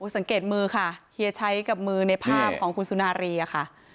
สังเกตมือค่ะเฮียชัยกับมือในภาพของคุณสุนารีอะค่ะ